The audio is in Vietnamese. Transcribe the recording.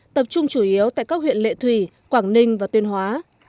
tập trung chủ yếu tại các huyện lệ thủy quảng ninh và tuyên hóa